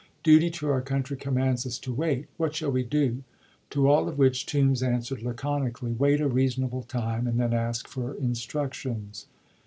Duty to our country commands us to wait. What shall we do ?" To all of which Toombs answered laconically, " Wait a reasonable time and then ask for instructions."